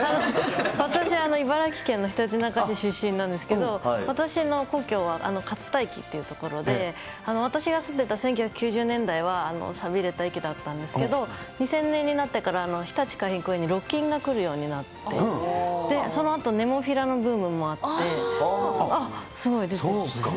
私、茨城県のひたちなか市出身なんですけど、私の故郷はかつた駅という所で、私が住んでた１９９０年代はさびれた駅だったんですけれども、２０００年になってから、ひたち海浜公園にロッキンが来るようになって、そのあとネモフィラのブームもあって、あっ、そうか。